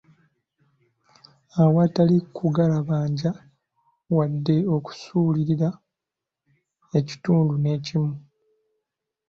Awatali kugalabanja wadde okusuulirira ekitundu nekimu.